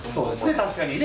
確かにね